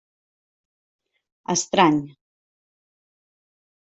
Estrany.